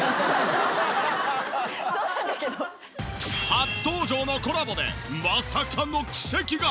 初登場のコラボでまさかの奇跡が。